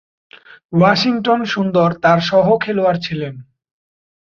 Washington Sundar তার সহখেলোয়াড় ছিলেন।